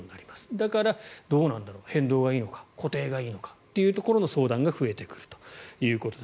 だから、どうなんだろう変動がいいのか固定がいいのかというところの相談が増えてくるということです。